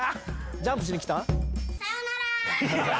ジャンプしに来たん？